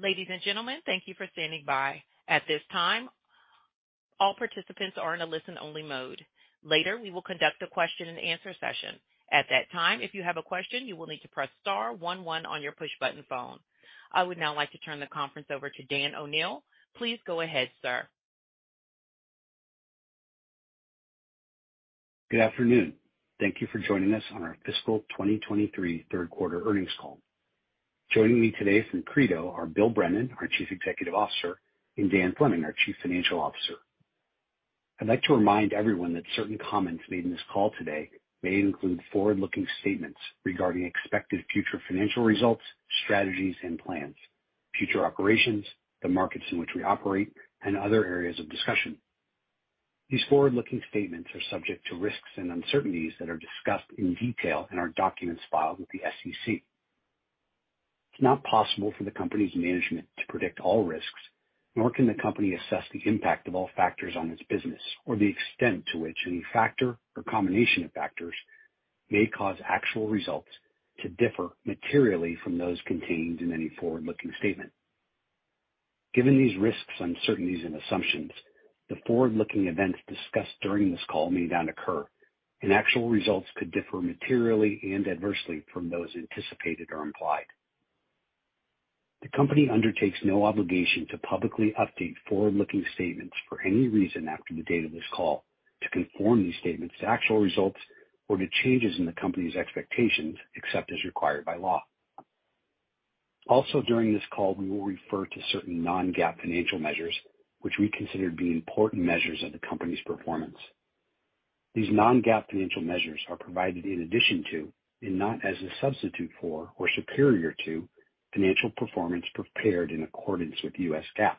Ladies and gentlemen, thank you for standing by. At this time, all participants are in a listen-only mode. Later, we will conduct a question and answer session. At that time, if you have a question, you will need to press star one one on your push-button phone. I would now like to turn the conference over to Dan O'Neill. Please go ahead, sir. Good afternoon. Thank you for joining us on our fiscal 2023 third quarter earnings call. Joining me today from Credo are Bill Brennan, our Chief Executive Officer, and Dan Fleming, our Chief Financial Officer. I'd like to remind everyone that certain comments made in this call today may include forward-looking statements regarding expected future financial results, strategies and plans, future operations, the markets in which we operate, and other areas of discussion. These forward-looking statements are subject to risks and uncertainties that are discussed in detail in our documents filed with the SEC. It's not possible for the company's management to predict all risks, nor can the company assess the impact of all factors on its business or the extent to which any factor or combination of factors may cause actual results to differ materially from those contained in any forward-looking statement. Given these risks, uncertainties, and assumptions, the forward-looking events discussed during this call may not occur, and actual results could differ materially and adversely from those anticipated or implied. The company undertakes no obligation to publicly update forward-looking statements for any reason after the date of this call to conform these statements to actual results or to changes in the company's expectations, except as required by law. Also, during this call, we will refer to certain non-GAAP financial measures, which we consider to be important measures of the company's performance. These non-GAAP financial measures are provided in addition to, and not as a substitute for or superior to, financial performance prepared in accordance with US GAAP.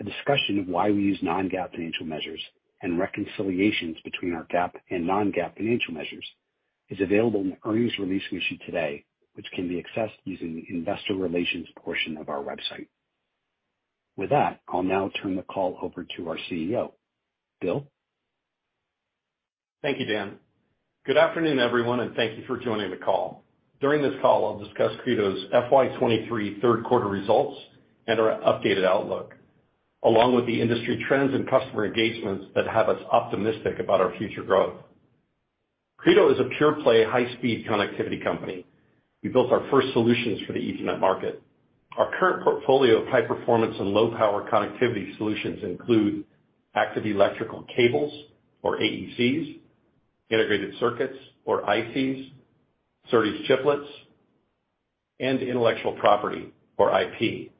A discussion of why we use non-GAAP financial measures and reconciliations between our GAAP and non-GAAP financial measures is available in the earnings release we issued today, which can be accessed using the investor relations portion of our website. With that, I'll now turn the call over to our CEO. Bill? Thank you, Dan. Good afternoon, everyone, and thank you for joining the call. During this call, I'll discuss Credo's FY 2023 third-quarter results and our updated outlook, along with the industry trends and customer engagements that have us optimistic about our future growth. Credo is a pure-play, high-speed connectivity company. We built our first solutions for the Ethernet market. Our current portfolio of high-performance and low-power connectivity solutions includes active electrical cables or AECs, integrated circuits or ICs, SerDes chiplets, and intellectual property or IP.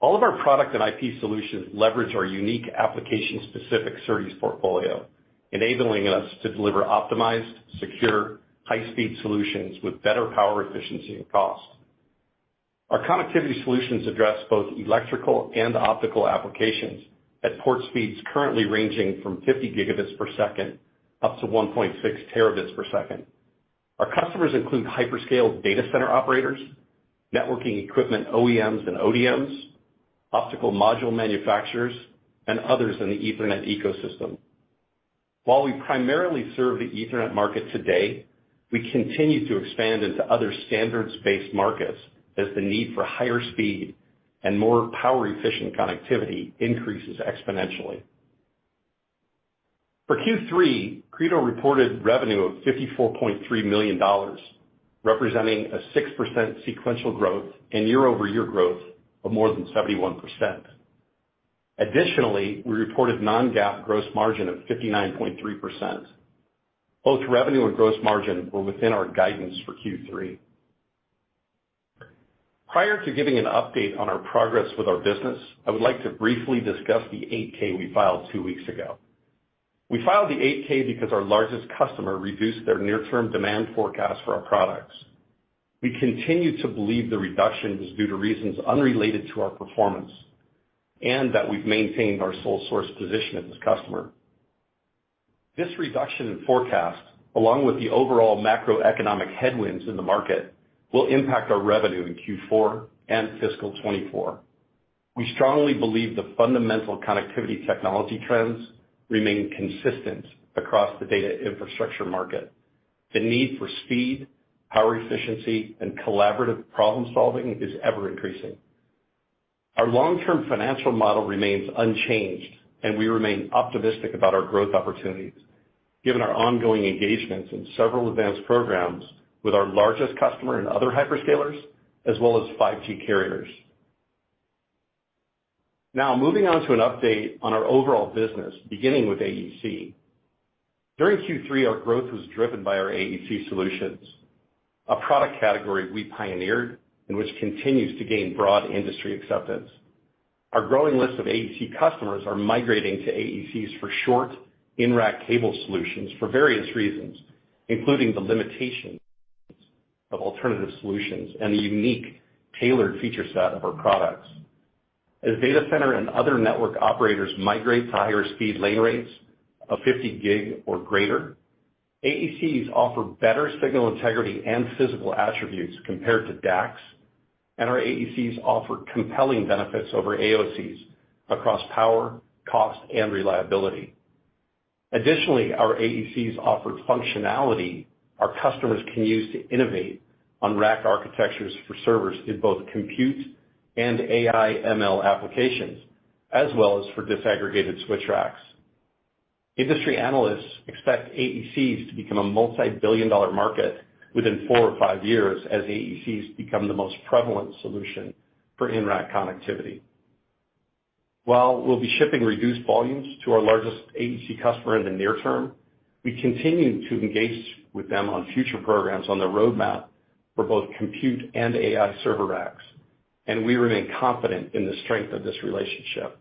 All of our product and IP solutions leverage our unique application-specific SerDes portfolio, enabling us to deliver optimized, secure, high-speed solutions with better power efficiency and cost. Our connectivity solutions address both electrical and optical applications at port speeds currently ranging from 50 Gbps up to 1.6 Tbps. Our customers include hyperscale data center operators, networking equipment OEMs and ODMs, optical module manufacturers, and others in the Ethernet ecosystem. While we primarily serve the Ethernet market today, we continue to expand into other standards-based markets as the need for higher speed and more power-efficient connectivity increases exponentially. For Q3, Credo reported revenue of $54.3 million, representing a 6% sequential growth and year-over-year growth of more than 71%. Additionally, we reported a non-GAAP gross margin of 59.3%. Both revenue and gross margin were within our guidance for Q3. Prior to giving an update on our business progress, I would like to briefly discuss the 8-K we filed two weeks ago. We filed the 8-K because our largest customer reduced their near-term demand forecast for our products. We continue to believe the reduction was due to reasons unrelated to our performance and that we've maintained our sole source position with this customer. This reduction in forecast, along with the overall macroeconomic headwinds in the market, will impact our revenue in Q4 and fiscal 24. We strongly believe the fundamental connectivity technology trends remain consistent across the data infrastructure market. The need for speed, power efficiency, and collaborative problem-solving is ever-increasing. Our long-term financial model remains unchanged, and we remain optimistic about our growth opportunities, given our ongoing engagements in several advanced programs with our largest customer and other hyperscalers, as well as 5G carriers. Now, moving on to an update on our overall business, beginning with AEC. During Q3, our growth was driven by our AEC solutions, a product category we pioneered and which continues to gain broad industry acceptance. Our growing list of AEC customers is migrating to AECs for short in-rack cable solutions for various reasons, including the limitations of alternative solutions and the unique tailored feature set of our products. As data center and other network operators migrate to higher speed lane rates of 50 gig or greater, AECs offer better signal integrity and physical attributes compared to DACs, and our AECs offer compelling benefits over AOCs across power, cost, and reliability. Additionally, our AECs offer functionality our customers can use to innovate on rack architectures for servers in both compute and AI/ML applications, as well as for disaggregated switch racks. Industry analysts expect AECs to become a multi-billion-dollar market within 4 or 5 years as AECs become the most prevalent solution for in-rack connectivity. While we'll be shipping reduced volumes to our largest AEC customer in the near term, we continue to engage with them on future programs on the roadmap for both compute and AI server racks. We remain confident in the strength of this relationship.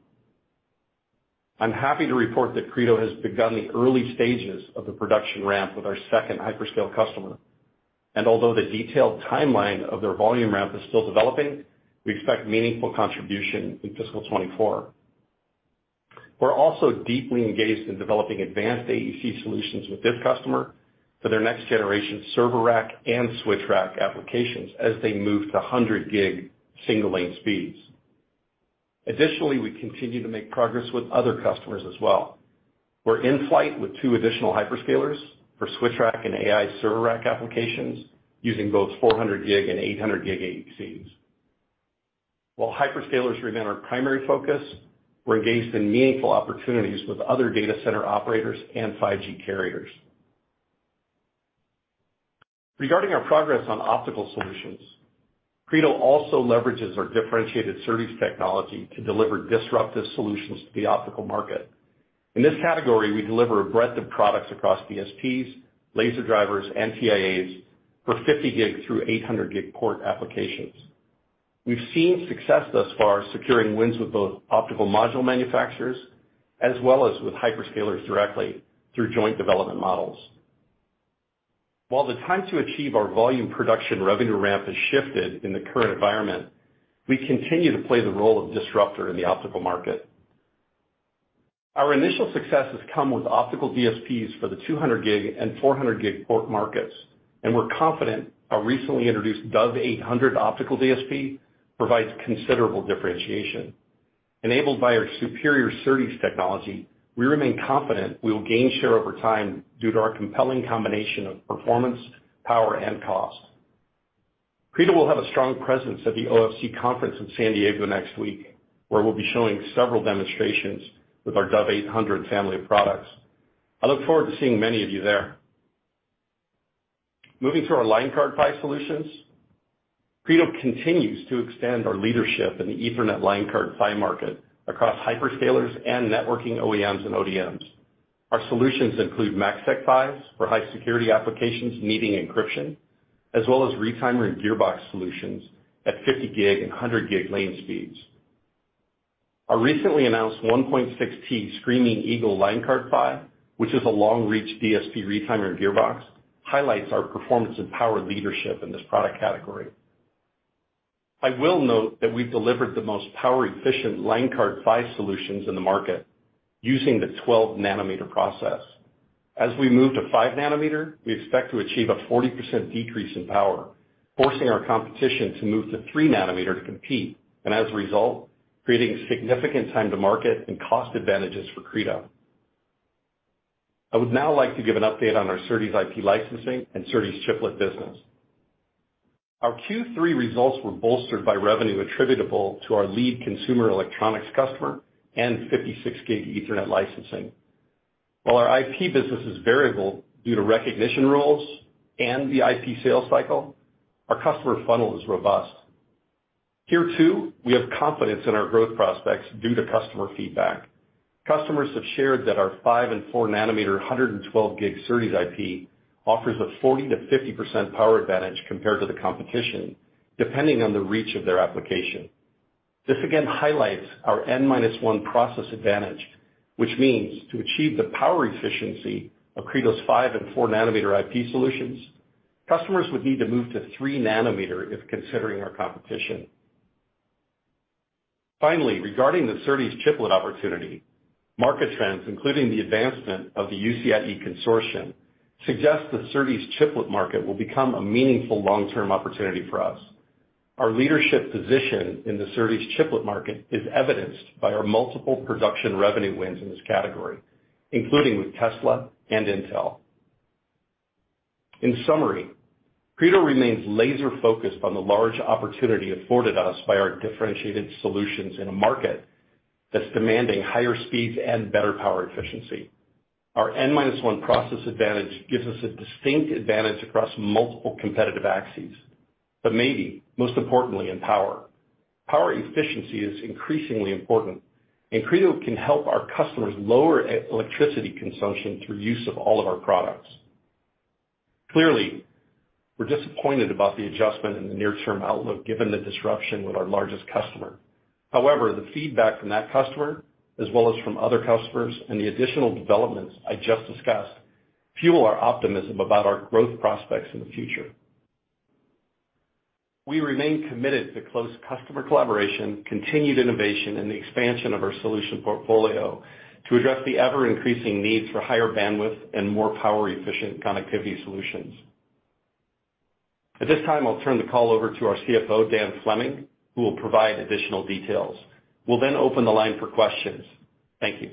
I'm happy to report that Credo has begun the early stages of the production ramp with our second hyperscale customer. Although the detailed timeline of their volume ramp is still developing, we expect meaningful contribution in fiscal '24. We're also deeply engaged in developing advanced AEC solutions with this customer for their next-generation server rack and switch rack applications as they move to 100-gig single-lane speeds. Additionally, we continue to make progress with other customers as well. We're in flight with two additional hyperscalers for switch rack and AI server rack applications using both 400-gig and 800-gig AECs. While hyperscalers remain our primary focus, we're engaged in meaningful opportunities with other data center operators and 5G carriers. Regarding our progress on optical solutions, Credo also leverages our differentiated SerDes technology to deliver disruptive solutions to the optical market. In this category, we deliver a breadth of products across DSPs, laser drivers, and TIAs for 50-gig through 800-gig port applications. We've seen success thus far, securing wins with both optical module manufacturers as well as with hyperscalers directly through joint development models. While the time to achieve our volume production revenue ramp has shifted in the current environment, we continue to play the role of disruptor in the optical market. Our initial success has come with optical DSPs for the 200-gig and 400-gig port markets, and we're confident our recently introduced Dove 800 optical DSP provides considerable differentiation. Enabled by our superior SerDes technology, we remain confident we will gain share over time due to our compelling combination of performance, power, and cost. Credo will have a strong presence at the OFC conference in San Diego next week, where we'll be showing several demonstrations with our Dove 800 family of products. I look forward to seeing many of you there. Moving to our line card PHY solutions, Credo continues to extend our leadership in the Ethernet line card PHY market across hyperscalers and networking OEMs and ODMs. Our solutions include MACsec PHYs for high-security applications needing encryption, as well as retimer and gearbox solutions at 50 gig and 100 gig lane speeds. Our recently announced 1.6T Screaming Eagle line card PHY, which is a long-reach DSP retimer and gearbox, highlights our performance and power leadership in this product category. I will note that we've delivered the most power-efficient line card PHY solutions in the market using the 12nm process. As we move to 5-nanometer, we expect to achieve a 40% decrease in power, forcing our competition to move to 3-nanometer to compete, and as a result, creating significant time to market and cost advantages for Credo. I would now like to give an update on our SerDes IP licensing and SerDes chiplet business. Our Q3 results were bolstered by revenue attributable to our lead consumer electronics customer and 56 gig Ethernet licensing. While our IP business is variable due to recognition rules and the IP sales cycle, our customer funnel is robust. Here too, we have confidence in our growth prospects due to customer feedback. Customers have shared that our 5-nanometer and 4-nanometer 112 gig SerDes IP offers a 40%-50% power advantage compared to the competition, depending on the reach of their application. This again highlights our N-1 process advantage, which means to achieve the power efficiency of Credo's 5-nanometer and 4-nanometer IP solutions, customers would need to move to 3-nanometer if considering our competition. Finally, regarding the SerDes chiplet opportunity, market trends, including the advancement of the UCIe consortium, suggest the SerDes chiplet market will become a meaningful long-term opportunity for us. Our leadership position in the SerDes chiplet market is evidenced by our multiple production revenue wins in this category, including with Tesla and Intel. In summary, Credo remains laser-focused on the large opportunity afforded us by our differentiated solutions in a market that's demanding higher speeds and better power efficiency. Our N-1 process advantage gives us a distinct advantage across multiple competitive axes, but perhaps most importantly in power. Power efficiency is increasingly important, and Credo can help our customers lower electricity consumption through the use of all of our products. Clearly, we're disappointed about the adjustment in the near-term outlook given the disruption with our largest customer. The feedback from that customer, as well as from other customers and the additional developments I just discussed, fuels our optimism about our growth prospects in the future. We remain committed to close customer collaboration, continued innovation, and the expansion of our solution portfolio to address the ever-increasing needs for higher bandwidth and more power-efficient connectivity solutions. At this time, I'll turn the call over to our CFO, Dan Fleming, who will provide additional details. We'll then open the line for questions. Thank you.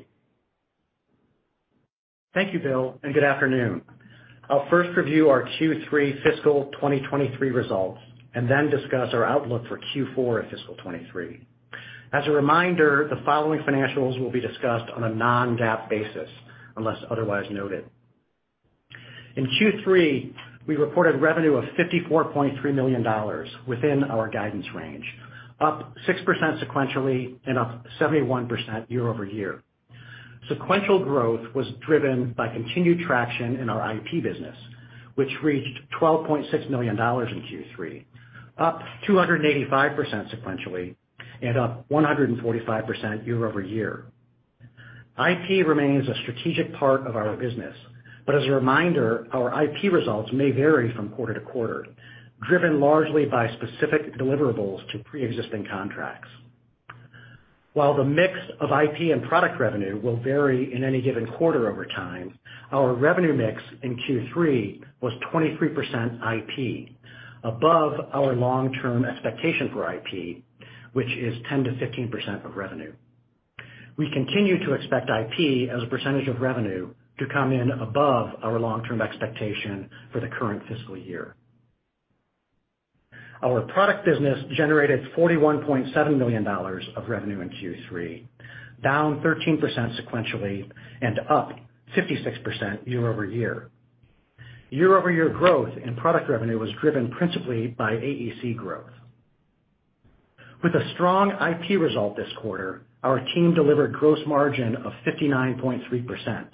Thank you, Bill, and good afternoon. I'll first review our Q3 fiscal 2023 results and then discuss our outlook for Q4 and fiscal 2023. As a reminder, the following financials will be discussed on a non-GAAP basis, unless otherwise noted. In Q3, we reported revenue of $54.3 million within our guidance range, up 6% sequentially and up 71% year-over-year. Sequential growth was driven by continued traction in our IP business, which reached $12.6 million in Q3, up 285% sequentially and up 145% year-over-year. IP remains a strategic part of our business. As a reminder, our IP results may vary from quarter to quarter, driven largely by specific deliverables to pre-existing contracts. While the mix of IP and product revenue will vary in any given quarter over time, our revenue mix in Q3 was 23% IP, above our long-term expectation for IP, which is 10%-15% of revenue. We continue to expect IP as a percentage of revenue to come in above our long-term expectation for the current fiscal year. Our product business generated $41.7 million of revenue in Q3, down 13% sequentially and up 56% year-over-year. Year-over-year growth in product revenue was driven principally by AEC growth. With a strong IP result this quarter, our team delivered a gross margin of 59.3%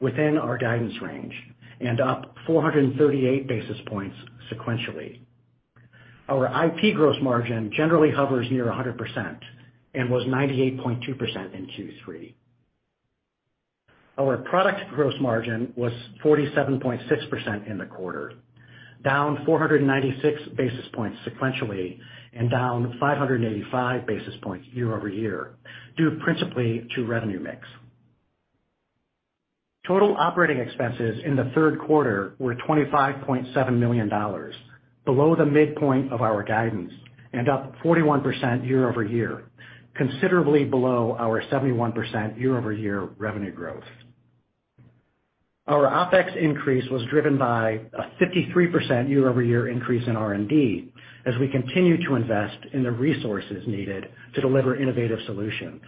within our guidance range and up 438 basis points sequentially. Our IP gross margin generally hovers near 100% and was 98.2% in Q3. Our product gross margin was 47.6% in the quarter, down 496 basis points sequentially and down 585 basis points year-over-year, due principally to revenue mix. Total operating expenses in the third quarter were $25.7 million, below the midpoint of our guidance and up 41% year-over-year, considerably below our 71% year-over-year revenue growth. Our OPEX increase was driven by a 53% year-over-year increase in R&D as we continue to invest in the resources needed to deliver innovative solutions.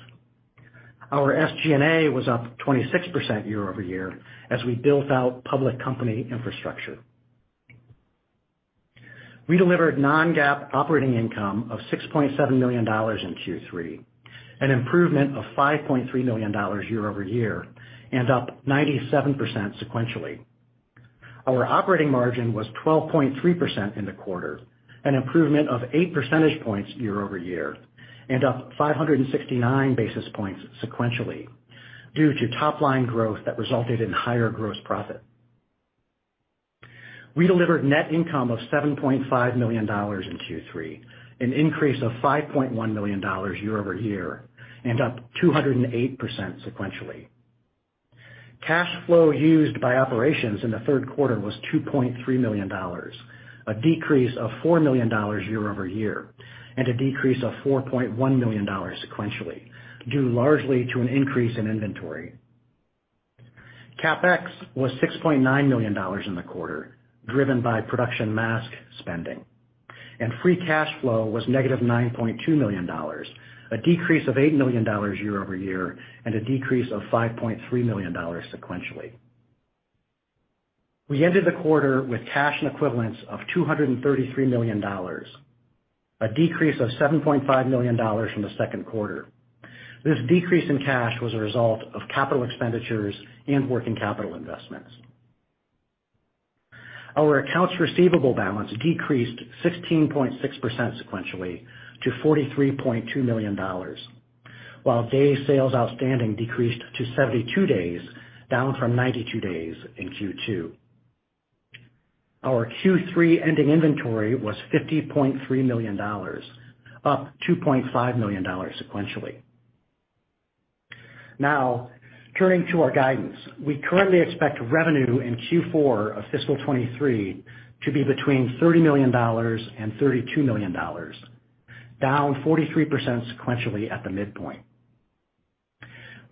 Our SG&A was up 26% year-over-year as we built out public company infrastructure. We delivered non-GAAP operating income of $6.7 million in Q3, an improvement of $5.3 million year-over-year and up 97% sequentially. Our operating margin was 12.3% in the quarter, an improvement of 8 percentage points year-over-year and up 569 basis points sequentially due to top-line growth that resulted in higher gross profit. We delivered net income of $7.5 million in Q3, an increase of $5.1 million year-over-year and up 208% sequentially. Cash flow used by operations in the third quarter was $2.3 million, a decrease of $4 million year-over-year, and a decrease of $4.1 million sequentially, due largely to an increase in inventory. CapEx was $6.9 million in the quarter, driven by production mask spending, and free cash flow was negative $9.2 million, a decrease of $8 million year-over-year, and a decrease of $5.3 million sequentially. We ended the quarter with cash and equivalents of $233 million, a decrease of $7.5 million from the second quarter. This decrease in cash was a result of capital expenditures and working capital investments. Our accounts receivable balance decreased 16.6% sequentially to $43.2 million, while days sales outstanding decreased to 72 days, down from 92 days in Q2. Our Q3 ending inventory was $50.3 million, up $2.5 million sequentially. Turning to our guidance, we currently expect revenue in Q4 of fiscal 2023 to be between $30 million and $32 million, down 43% sequentially at the midpoint.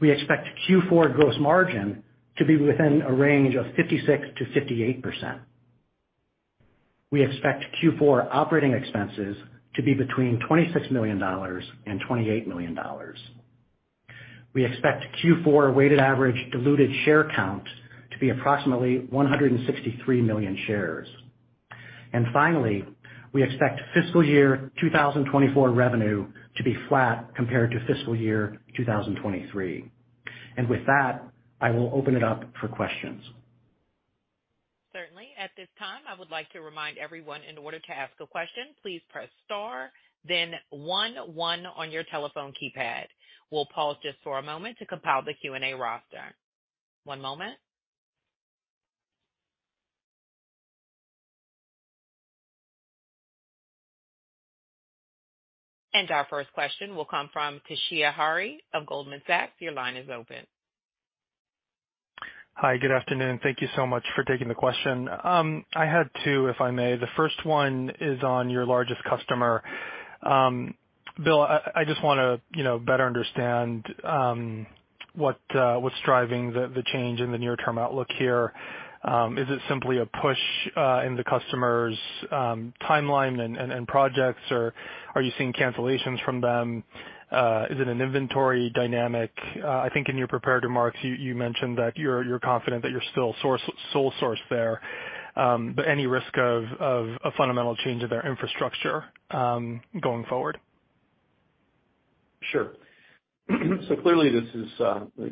We expect Q4 gross margin to be within a range of 56%-58%. We expect Q4 operating expenses to be between $26 million and $28 million. We expect the Q4 weighted average diluted share count to be approximately 163 million shares. Finally, we expect fiscal year 2024 revenue to be flat compared to fiscal year 2023. With that, I will open it up for questions. Certainly. At this time, I would like to remind everyone that in order to ask a question, please press star then one on your telephone keypad. We'll pause for just a moment to compile the Q&A roster. One moment. Our first question will come from Toshiya Hari of Goldman Sachs. Your line is open. Hi, good afternoon. Thank you so much for taking the question. I had two, if I may. The first one is on your largest customer. Bill, I just want to better understand what's driving the change in the near-term outlook here. Is it simply a push in the customer's timeline and projects, or are you seeing cancellations from them? Is it an inventory dynamic? I think in your prepared remarks, you mentioned that you're confident that you're still sole source there. Any risk of a fundamental change in their infrastructure going forward? Sure. Clearly, this is,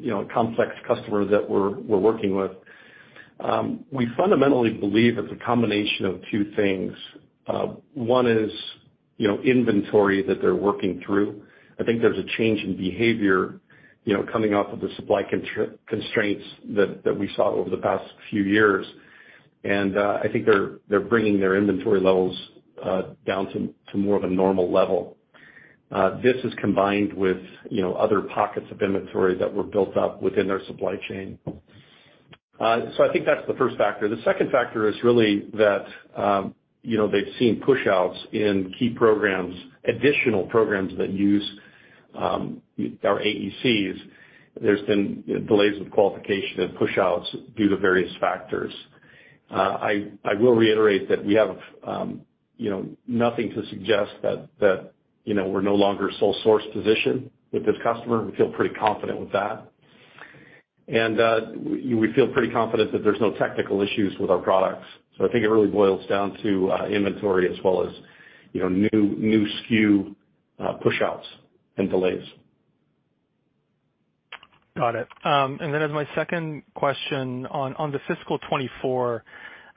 you know, a complex customer that we're working with. We fundamentally believe it's a combination of two things. One is, you know, inventory that they're working through. I think there's a change in behavior, you know, coming off of the supply constraints that we saw over the past few years. I think they're bringing their inventory levels down to more of a normal level. This is combined with, you know, other pockets of inventory that were built up within their supply chain. I think that's the first factor. The second factor is really that, you know, they've seen push-outs in key programs, additional programs that use our AECs. There have been delays with qualification and push-outs due to various factors. I will reiterate that we have nothing to suggest that we're no longer in a sole-source position with this customer. We feel pretty confident about that. We feel pretty confident that there are no technical issues with our products. I think it really boils down to inventory, as well as new SKU push-outs and delays. Got it. As my second question on the fiscal 2024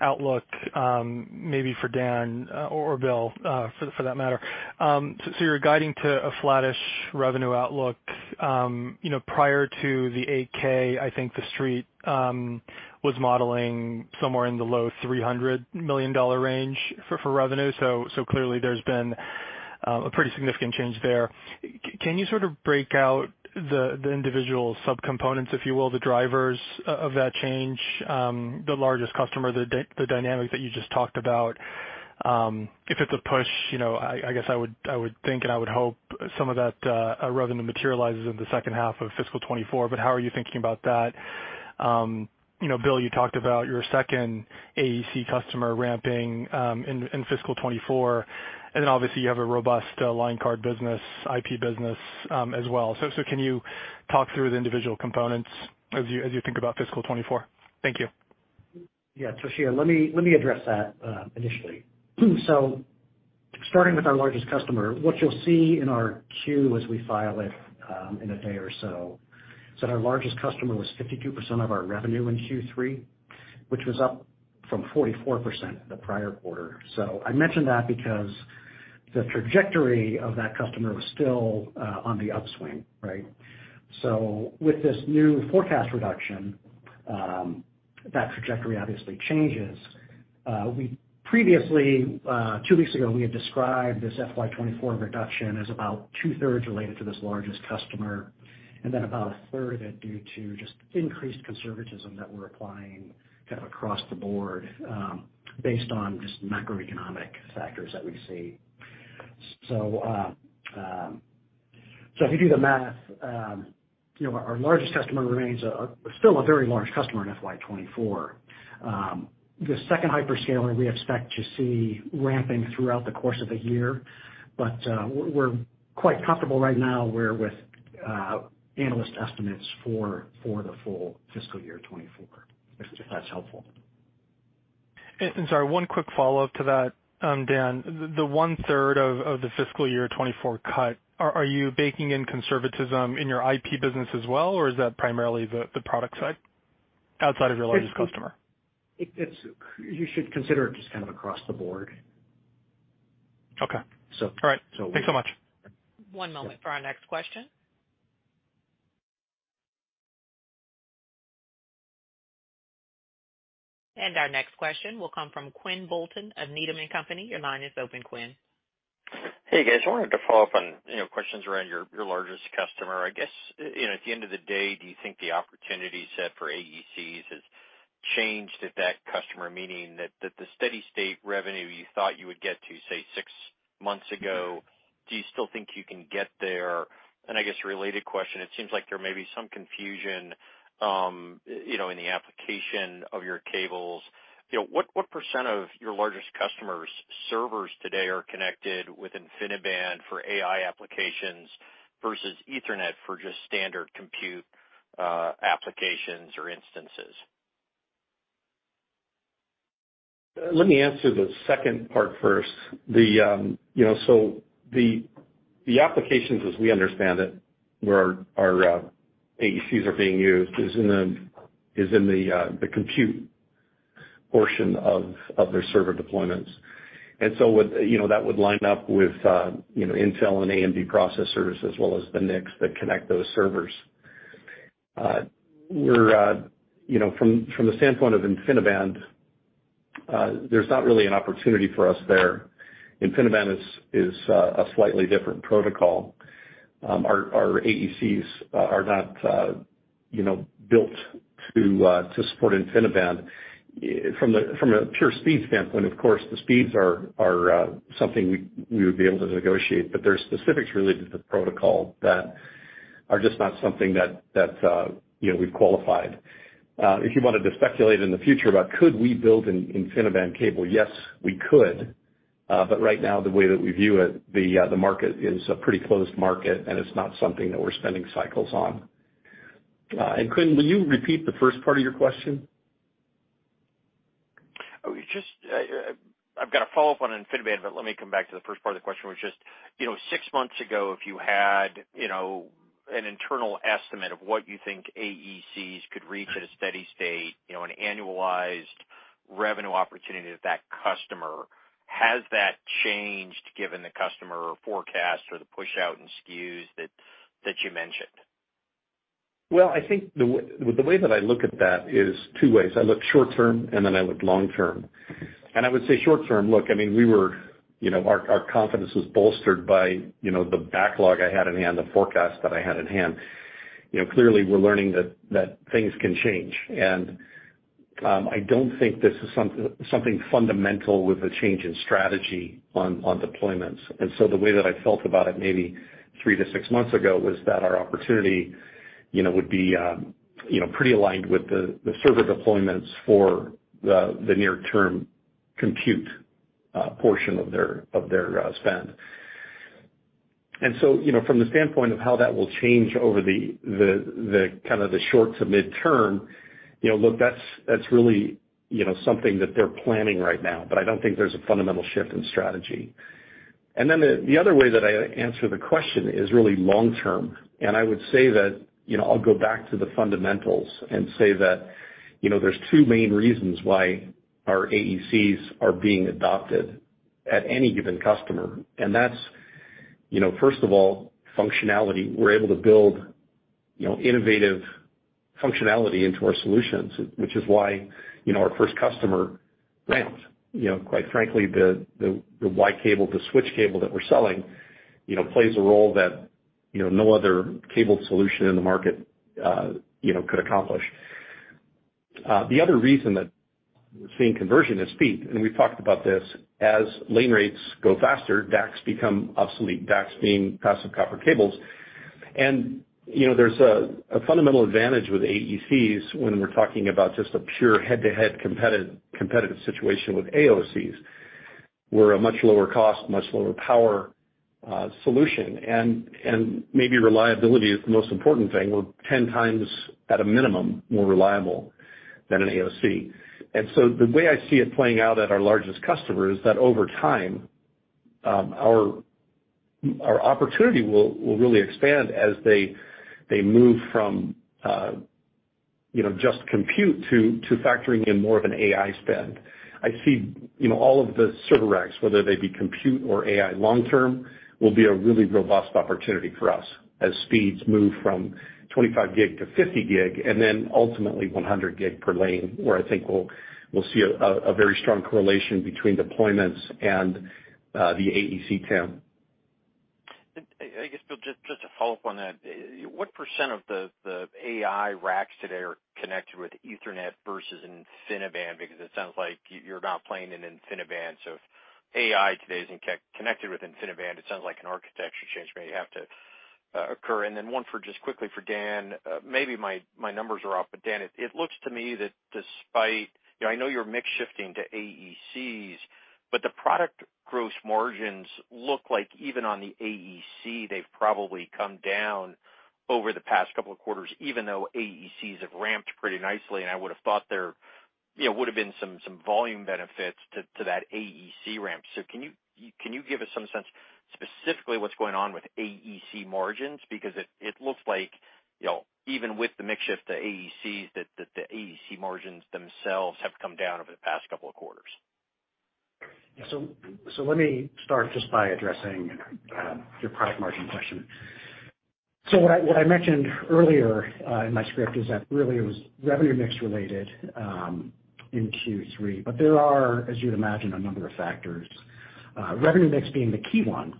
outlook, maybe for Dan or Bill for that matter. You're guiding to a flattish revenue outlook. You know, prior to the 8-K, I think the Street was modeling somewhere in the low $300 million range for revenue. Clearly, there's been a pretty significant change there. Can you sort of break out the individual subcomponents, if you will, the drivers of that change, the largest customer, the dynamics that you just talked about, if it's a push, you know, I guess I would think, and I would hope some of that revenue materializes in the second half of fiscal 2024, how are you thinking about that? You know, Bill, you talked about your second AEC customer ramping in fiscal 2024. Obviously, you have a robust line card business, IP business as well. Can you talk through the individual components as you think about fiscal 2024? Thank you. Toshiya, let me address that initially. Starting with our largest customer, what you'll see in our Q, as we file it in a day or so, is that our largest customer was 52% of our revenue in Q3, which was up from 44% the prior quarter. I mention that because the trajectory of that customer was still on the upswing, right? With this new forecast reduction, that trajectory obviously changes. Previously, two weeks ago, we had described this FY24 reduction as about two-thirds related to this largest customer, and then about a third of it due to just increased conservatism that we're applying kind of across the board, based on just macroeconomic factors that we see. If you do the math, you know, our largest customer still remains a very large customer in FY 2024. We expect to see the second hyperscaler ramping throughout the course of the year. We're quite comfortable right now with analyst estimates for the full fiscal year 2024, if that's helpful. Sorry, one quick follow-up to that, Dan. The one-third of the fiscal year '24 cut—are you baking in conservatism in your IP business as well, or is that primarily the product side outside of your largest customer? It's something you should consider across the board. Okay. So. All right. So. Thanks so much. One moment for our next question. Our next question will come from Quinn Bolton of Needham & Company. Your line is open, Quinn. Hey, guys. I wanted to follow up on questions regarding your largest customer. I guess, at the end of the day, do you think the opportunity set for AECs has changed at that customer? Meaning, do you still think you can reach the steady-state revenue you anticipated, say, six months ago? I guess a related question: it seems like there might be some confusion in the application of your cables. What percentage of your largest customer's servers today are connected with InfiniBand for AI applications versus Ethernet for just standard compute applications or instances? Let me answer the second part first. The, you know, so the applications, as we understand it, where our AECs are being used is in the compute portion of their server deployments. You know, that would line up with, you know, Intel and AMD processors as well as the NICs that connect those servers. We're, you know, from the standpoint of InfiniBand, there's not really an opportunity for us there. InfiniBand is a slightly different protocol. Our AECs are not, you know, built to support InfiniBand. From a pure speed standpoint, of course, the speeds are something we would be able to negotiate, but there are specifics related to the protocol that are just not something that, you know, we've qualified. If you wanted to speculate in the future about could we build an InfiniBand cable? Yes, we could. Right now, the way that we view it, the market is a pretty closed market, and it's not something that we're spending cycles on. Quinn, will you repeat the first part of your question? I just have a follow-up on InfiniBand, but let me come back to the first part of the question, which was, you know, six months ago, if you had, you know, an internal estimate of what you think AECs could reach at a steady state, you know, an annualized revenue opportunity to that customer, has that changed given the customer forecast or the pushout in SKUs that you mentioned? Well, I think the way I look at that is in two ways. I look short-term, and then I look long-term. I would say short-term, look, I mean, our confidence was bolstered by the backlog I had in hand and the forecast I had in hand. Clearly, we're learning that things can change. I don't think this is something fundamental with a change in strategy on deployments. The way I felt about it maybe three to six months ago was that our opportunity would be pretty aligned with the server deployments for the near-term compute portion of their spend. You know, from the standpoint of how that will change over the short to midterm, you know, look, that's really something that they're planning right now, but I don't think there's a fundamental shift in strategy. The other way that I answer the question is really long term. I would say that, you know, I'll go back to the fundamentals and say that there are two main reasons why our AECs are being adopted at any given customer. That's, you know, first of all, functionality. We're able to build innovative functionality into our solutions, which is why our first customer ramped. You know, quite frankly, the Y-cable, the switch cable that we're selling, plays a role that no other cable solution in the market could accomplish. The other reason that we're seeing conversion is speed, and we've talked about this. As lane rates go faster, DACs become obsolete, DACs being passive copper cables. There's a fundamental advantage with AECs when we're talking about just a pure head-to-head competitive situation with AOCs. We're a much lower cost, much lower power solution, and maybe reliability is the most important thing. We're at a minimum 10 times more reliable than an AOC. The way I see it playing out at our largest customer is that over time, our opportunity will really expand as they move from, you know, just compute to factoring in more of an AI spend. I see, you know, all of the server racks, whether they be compute or AI long term, will be a really robust opportunity for us as speeds move from 25 gig to 50 gig and then ultimately 100 gig per lane, where I think we'll see a very strong correlation between deployments and the AEC TAM. I guess, Bill, just to follow up on that, what percentage of the AI racks today are connected with Ethernet versus InfiniBand? It sounds like you're not playing in InfiniBand. If AI today isn't connected with InfiniBand, it sounds like an architecture change may have to occur. One, just quickly for Dan, maybe my numbers are off, but Dan, it looks to me that despite, you know, I know you're mix-shifting to AECs, but the product gross margins look like even on the AEC, they've probably come down over the past couple of quarters, even though AECs have ramped pretty nicely. I would have thought there, you know, would have been some volume benefits to that AEC ramp. Can you give us some sense specifically of what's going on with AEC margins? It looks like, even with the mix shift to AECs, the AEC margins themselves have come down over the past couple of quarters. Yeah. So let me start just by addressing your product margin question. What I mentioned earlier in my script is that it was really revenue mix-related in Q3. There are, as you'd imagine, a number of factors, revenue mix being the key one,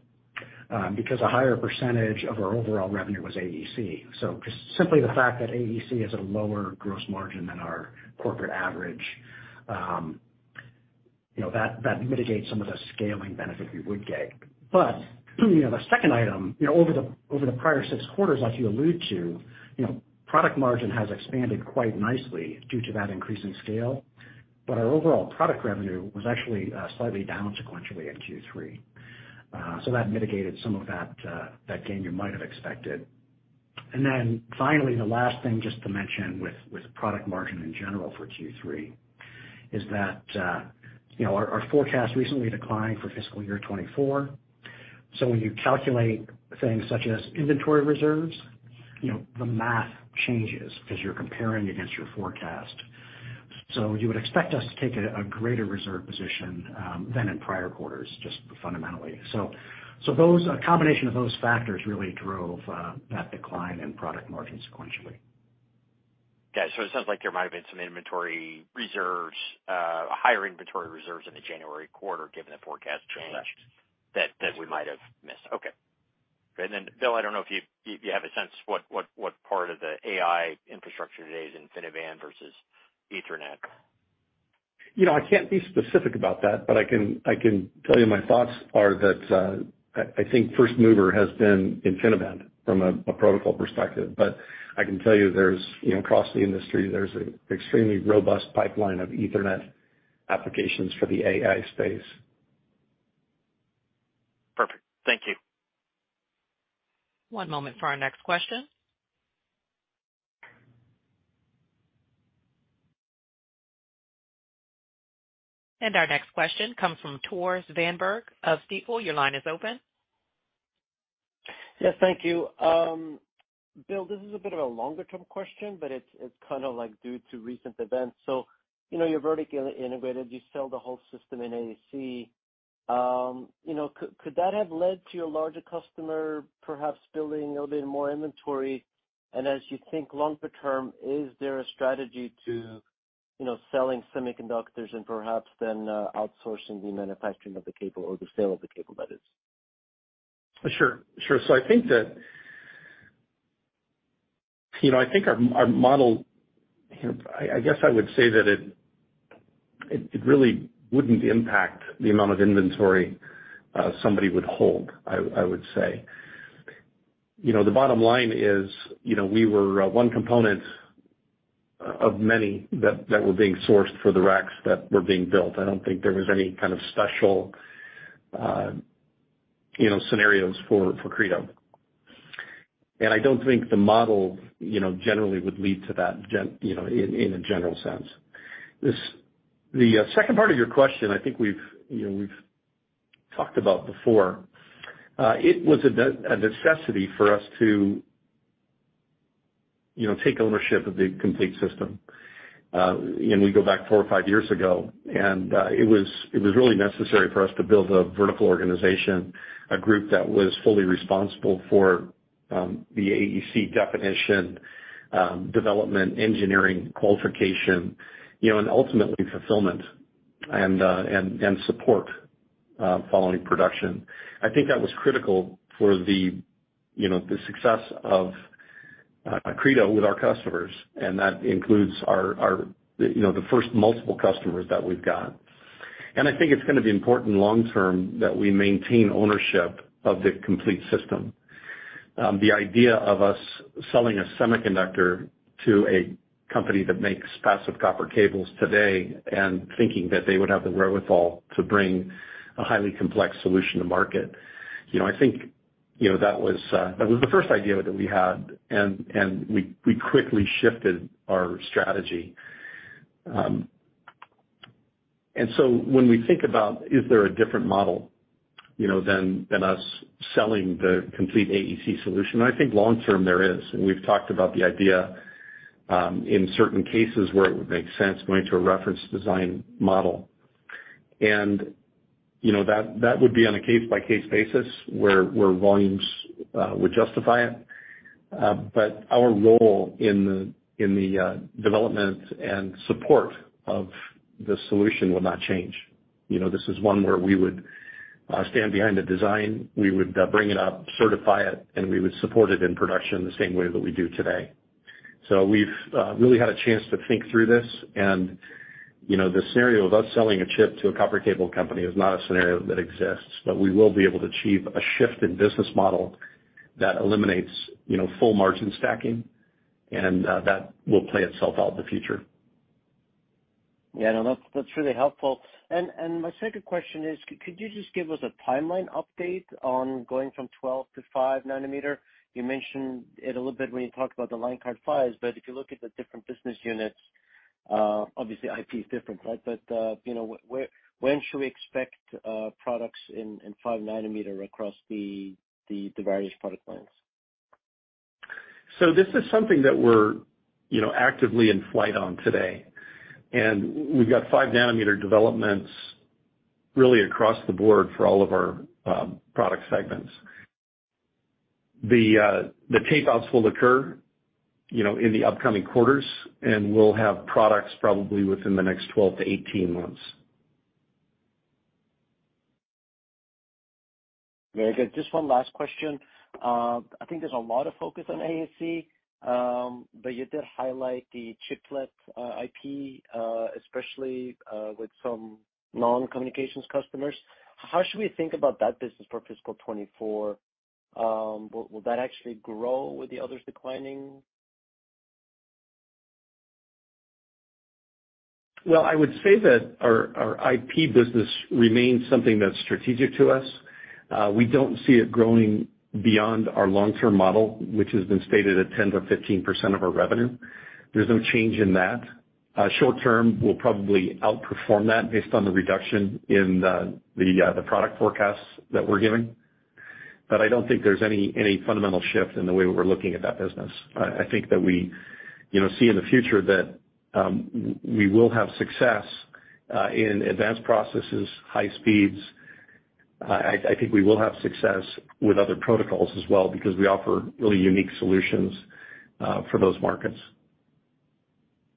because a higher percentage of our overall revenue was AEC. Just simply the fact that AEC is at a lower gross margin than our corporate average, you know, that mitigates some of the scaling benefit we would get. You know, the second item, over the prior six quarters, as you allude to, product margin has expanded quite nicely due to that increase in scale. Our overall product revenue was actually slightly down sequentially in Q3. That mitigated some of the gain you might have expected. Finally, the last thing to mention with product margin in general for Q3 is that our forecast recently declined for fiscal year 2024. When you calculate things such as inventory reserves, the math changes because you're comparing against your forecast. You would expect us to take a greater reserve position than in prior quarters, just fundamentally. A combination of those factors really drove that decline in product margin sequentially. Got it. It sounds like there might have been some inventory reserves, higher inventory reserves, in the January quarter given the forecast change. Correct... that we might have missed. Okay. Then, Bill, I don't know if you have a sense of what part of the AI infrastructure today is InfiniBand versus Ethernet. You know, I can't be specific about that, but I can tell you my thoughts are that I think the first mover has been InfiniBand from a protocol perspective. I can tell you there's, you know, across the industry, an extremely robust pipeline of Ethernet applications for the AI space. Perfect. Thank you. One moment for our next question. Our next question comes from Tore Svanberg of Stifel. Your line is open.. Yes, thank you. Bill, this is a bit of a longer-term question, but it's kind of due to recent events. You know, you're vertically integrated; you sell the whole system in AEC. Could that have led to your larger customer perhaps building a little bit more inventory? As you think longer term, is there a strategy to, you know, selling semiconductors and perhaps then outsourcing the manufacturing of the cable or the sale of the cable, that is? Sure. I think that, you know, I think our model, you know, I guess I would say that it really wouldn't impact the amount of inventory somebody would hold, I would say. You know, the bottom line is, you know, we were one component of many that were being sourced for the racks that were being built. I don't think there were any kind of special, you know, scenarios for Credo. I don't think the model, you know, generally would lead to that, you know, in a general sense. The second part of your question, I think we've, you know, we've talked about before. It was a necessity for us to, you know, take ownership of the complete system. We go back four or five years, and it was really necessary for us to build a vertical organization, a group that was fully responsible for the AEC definition, development, engineering, qualification, and ultimately fulfillment and support following production. I think that was critical for the success of Credo with our customers, and that includes our first multiple customers that we've got. I think it's going to be important long term that we maintain ownership of the complete system. The idea of us selling a semiconductor to a company that makes passive copper cables today and thinking that they would have the wherewithal to bring a highly complex solution to market, you know, I think that was the first idea that we had, and we quickly shifted our strategy. When we think about whether there is a different model than us selling the complete AEC solution, I think long term there is. We've talked about the idea in certain cases where it would make sense to go to a reference design model. You know, that would be on a case-by-case basis where volumes would justify it. Our role in the development and support of the solution will not change. You know, this is one where we would stand behind the design. We would bring it up, certify it, and we would support it in production the same way that we do today. We've really had a chance to think through this. You know, the scenario of us selling a chip to a copper cable company is not a scenario that exists, but we will be able to achieve a shift in business model that eliminates, you know, full margin stacking, and that will play itself out in the future. Yeah, no, that's really helpful. My second question is, could you just give us a timeline update on going from 12 to 5 nanometer? You mentioned it a little bit when you talked about the line card PHYs but if you look at the different business units, obviously IP is different, right? You know, when should we expect products in 5 nanometer across the various product lines? This is something that we're, you know, actively in flight on today. We've got 5-nanometer developments really across the board for all of our product segments. The tape-outs will occur, you know, in the upcoming quarters, and we'll have products probably within the next 12 to 18 months. Very good. Just one last question. I think there's a lot of focus on AEC, but you did highlight the chiplet IP, especially with some non-communications customers. How should we think about that business for fiscal 2024? Will that actually grow while the others decline? Well, I would say that our IP business remains something that's strategic to us. We don't see it growing beyond our long-term model, which has been stated at 10%-15% of our revenue. There's no change in that. Short term, we'll probably outperform that based on the reduction in the product forecasts that we're giving. I don't think there's any fundamental shift in the way we're looking at that business. I think that we, you know, see in the future that we will have success in advanced processes, high speeds. I think we will have success with other protocols as well because we offer really unique solutions for those markets.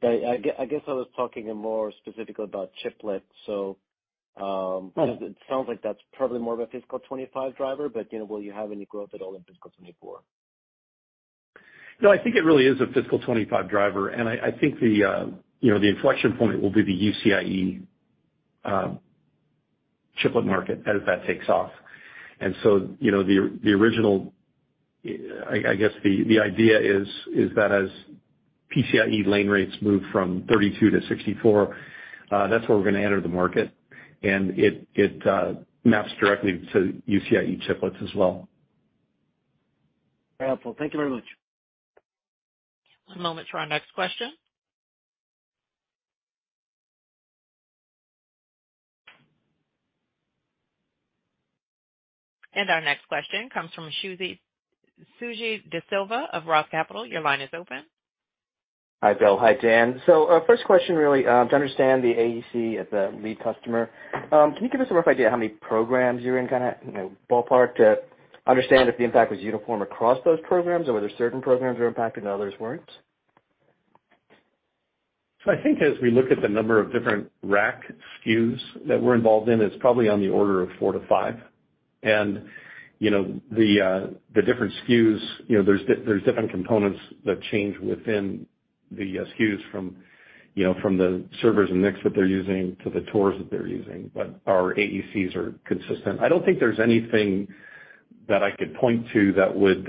I guess I was talking more specifically about chiplets. Right. -because it sounds like that's probably more of a fiscal '25 driver, but, you know, will you have any growth at all in fiscal '24? No, I think it really is a fiscal '25 driver. I think the, you know, the inflection point will be the UCIe chiplet market as that takes off. You know, the original, I guess, idea is that as PCIe lane rates move from 32 to 64, that's where we're going to enter the market. It maps directly to UCIe chiplets as well. Very helpful. Thank you very much. One moment for our next question. Our next question comes from Suji Desilva of Roth Capital Partners. Your line is open. Hi, Bill. Hi, Dan. First question, really, to understand the AEC at the lead customer, can you give us a rough idea of how many programs you're in, kind of, you know, ballpark, to understand if the impact was uniform across those programs or whether certain programs were impacted and others weren't? I think as we look at the number of different rack SKUs that we're involved in, it's probably on the order of 4 to 5. You know, the different SKUs, there are different components that change within the SKUs, from the servers and mix that they're using to the TORs that they're using. Our AECs are consistent. I don't think there's anything that I could point to that would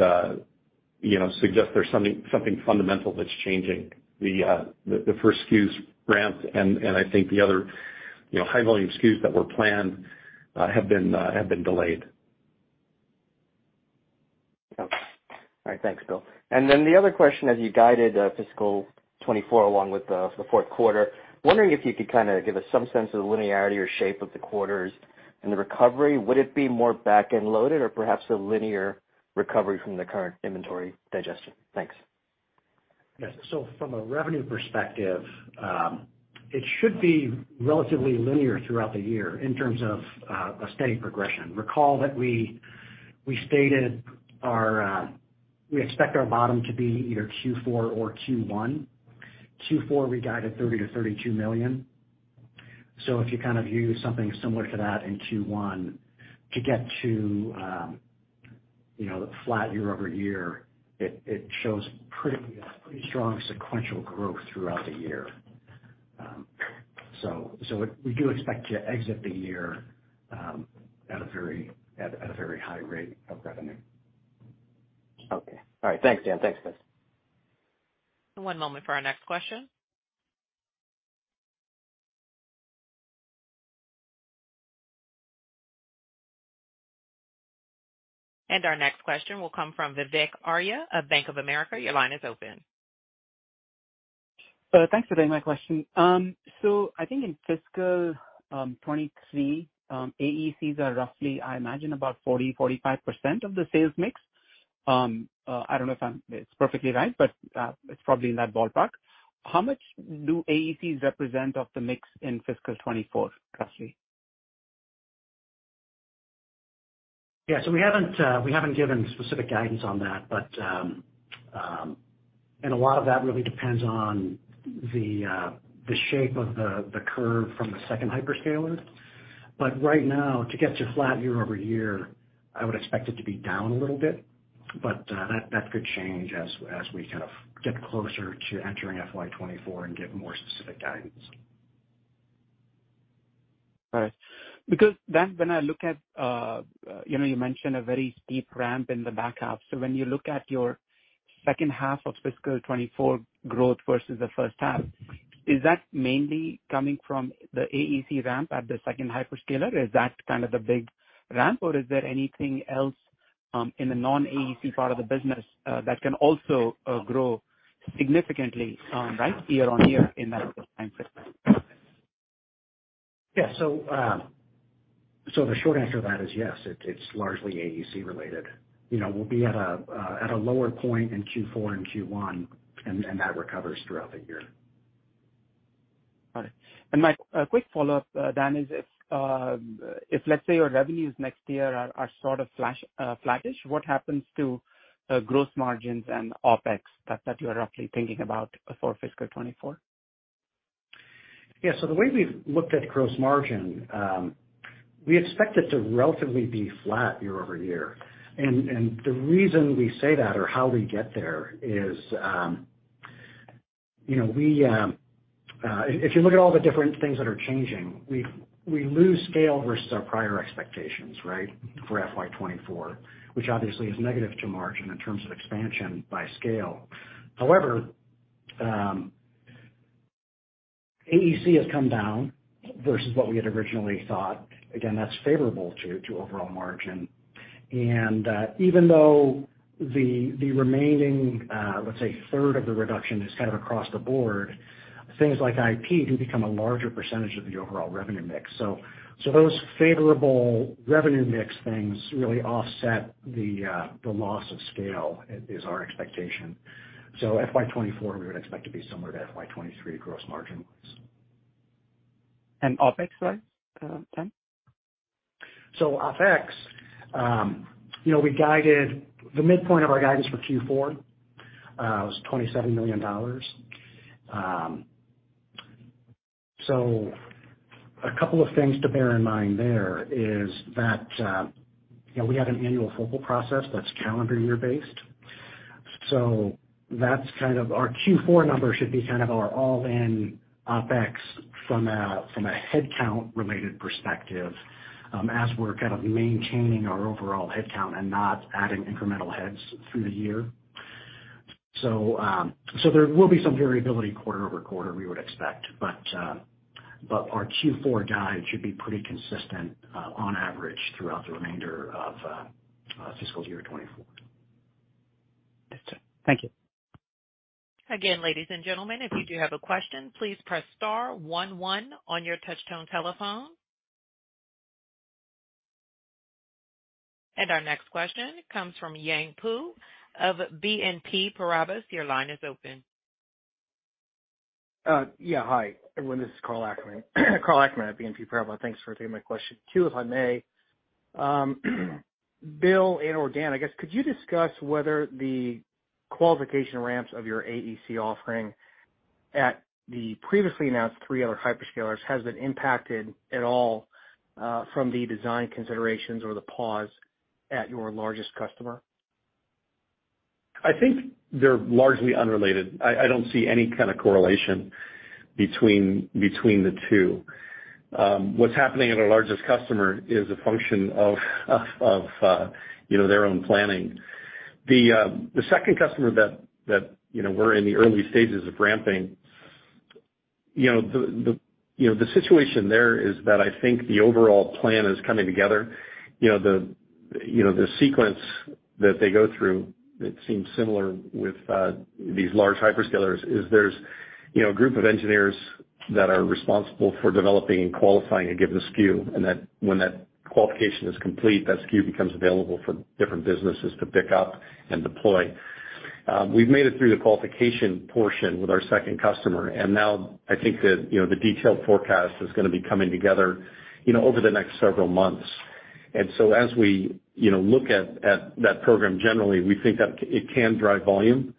suggest there's something fundamental that's changing. The first SKUs ramped, and I think the other high-volume SKUs that were planned have been delayed. Okay. All right, thanks, Bill. The other question, as you guided fiscal 24 along with the fourth quarter, I'm wondering if you could kind of give us some sense of the linearity or shape of the quarters and the recovery. Would it be more back-end loaded or perhaps a linear recovery from the current inventory digestion? Thanks. Yes. From a revenue perspective, it should be relatively linear throughout the year in terms of a steady progression. Recall that we stated our, we expect our bottom to be either Q4 or Q1. Q4, we guided $30 million-$32 million. If you kind of use something similar to that in Q1 to get to, you know, the flat year-over-year, it shows pretty strong sequential growth throughout the year. We do expect to exit the year at a very high rate of revenue. Okay. All right. Thanks, Dan. Thanks, guys. One moment for our next question. Our next question will come from Vivek Arya of Bank of America. Your line is open. Thanks for taking my question. I think in fiscal 2023, AECs are roughly, I imagine, about 40%-45% of the sales mix. I don't know if that's perfectly right, but it's probably in that ballpark. How much do AECs represent of the mix in fiscal 2024, roughly? We haven't given specific guidance on that, but a lot of that really depends on the shape of the curve from the second hyperscaler. Right now, to get to flat year-over-year, I would expect it to be down a little bit, but that could change as we get closer to entering FY 2024 and give more specific guidance. All right. When I look at, you know, you mentioned a very steep ramp in the back half. When you look at your second half of fiscal 2024 growth versus the first half, is that mainly coming from the AEC ramp at the second hyperscaler? Is that kind of the big ramp, or is there anything else in the non-AEC part of the business that can also grow significantly year-on-year in that time frame? Yeah. So the short answer to that is yes, it's largely AEC-related. You know, we'll be at a lower point in Q4 and Q1, and that recovers throughout the year. Got it. My quick follow-up, Dan, is if, let's say, your revenues next year are sort of flattish, what happens to gross margins and OpEx that you're roughly thinking about for fiscal 2024? Yeah. The way we've looked at gross margin, we expect it to be relatively flat year-over-year. The reason we say that or how we get there is, if you look at all the different things that are changing, we lose scale versus our prior expectations, right, for FY 2024, which obviously is negative to margin in terms of expansion by scale. However, AEC has come down versus what we had originally thought. Again, that's favorable to overall margin. Even though the remaining, let's say, third of the reduction is kind of across the board, things like IP do become a larger percentage of the overall revenue mix. Those favorable revenue mix things really offset the loss of scale, which is our expectation. For FY 2024, we expect the gross margin to be similar to FY 2023. OpEx-wise, Dan? OpEx, you know, we guided the midpoint of our guidance for Q4 was $27 million. A couple of things to bear in mind there is that, you know, we have an annual focal process that's calendar year-based. That's kind of our Q4 number should be kind of our all-in OpEx from a headcount-related perspective, as we're kind of maintaining our overall headcount and not adding incremental heads through the year. There will be some variability quarter-over-quarter, we would expect. Our Q4 guide should be pretty consistent on average throughout the remainder of fiscal year 2024. Thank you. Again, ladies and gentlemen, if you do have a question, please press star 11 on your touch-tone telephone. Our next question comes from Yang Pu of BNP Paribas. Your line is open. Yeah, hi everyone. This is Karl Ackerman at BNP Paribas. Thanks for taking my question. Two, if I may, Bill and/or Dan, I guess, could you discuss whether the qualification ramps of your AEC offering at the previously announced three other hyperscalers have been impacted at all from the design considerations or the pause at your largest customer? I think they're largely unrelated. I don't see any correlation between the two. What's happening at our largest customer is a function of their own planning. The second customer, who we're in the early stages of ramping, the situation there is that I think the overall plan is coming together. The sequence that they go through, it seems similar with these large hyperscalers, is there's a group of engineers that are responsible for developing and qualifying a given SKU, and when that qualification is complete, that SKU becomes available for different businesses to pick up and deploy. We've made it through the qualification portion with our second customer. Now I think that the detailed forecast is going to be coming together over the next several months. As we look at that program, generally, we think that it can drive volume,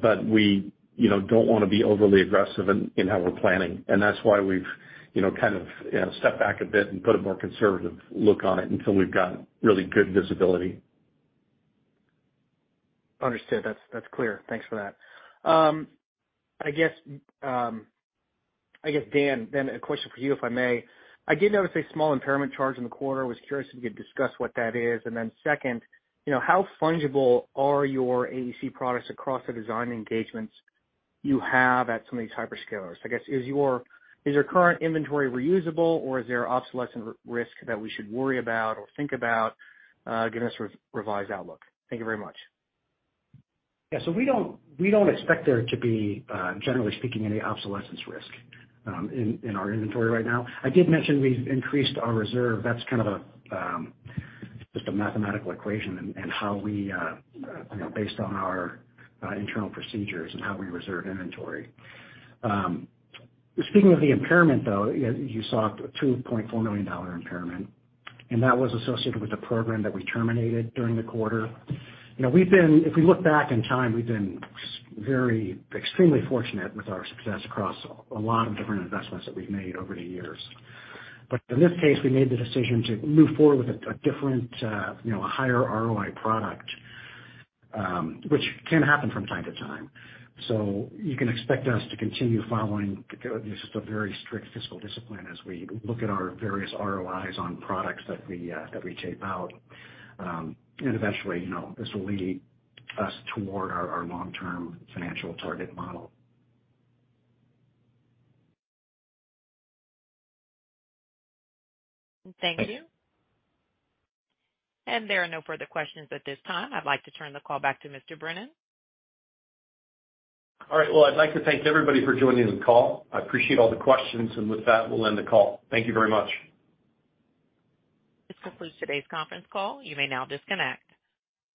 but we don't want to be overly aggressive in how we're planning. That's why we've kind of stepped back a bit and put a more conservative look on it until we've got really good visibility. Understood. That's clear. Thanks for that. I guess, Dan, then a question for you, if I may. I did notice a small impairment charge in the quarter. I was curious if you could discuss what that is. Second, you know, how fungible are your AEC products across the design engagements you have at some of these hyperscalers? I guess, is your current inventory reusable, or is there obsolescence risk that we should worry about or think about, given this re-revised outlook? Thank you very much. Yeah. We don't expect there to be, generally speaking, any obsolescence risk in our inventory right now. I did mention we've increased our reserve. That's kind of just a mathematical equation and how we, you know, based on our internal procedures and how we reserve inventory. Speaking of the impairment, though, you saw a $2.4 million impairment, and that was associated with the program that we terminated during the quarter. You know, if we look back in time, we've been extremely fortunate with our success across a lot of different investments that we've made over the years. In this case, we made the decision to move forward with a different, you know, a higher ROI product, which can happen from time to time. You can expect us to continue following a very strict fiscal discipline as we look at our various ROIs on products that we take out. Eventually, you know, this will lead us toward our long-term financial target model. Thank you. There are no further questions at this time. I'd like to turn the call back to Mr. Brennan. Alright. Well, I'd like to thank everybody for joining the call. I appreciate all the questions. With that, we'll end the call. Thank you very much. This concludes today's conference call. You may now disconnect.